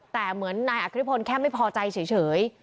แต่เหมือนนายอัคริพลแค่ไม่พอใจเฉย